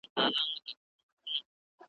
په زندان کي یې آغازي ترانې کړې .